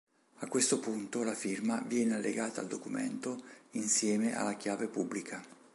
A questo punto la firma viene allegata al documento insieme alla chiave pubblica.